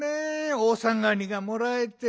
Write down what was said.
おさがりがもらえて。